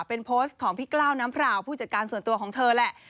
เป็นโพสต์ของพี่กล้าวน้ำพราวผู้จัดการส่วนตัวของเธอแหละ